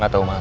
gak tau maaf